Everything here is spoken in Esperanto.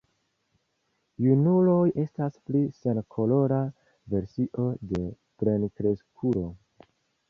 Junuloj estas pli senkolora versio de plenkreskulo.